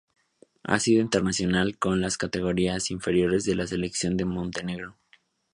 Ha sido internacional con las categorías inferiores de la selección de Montenegro.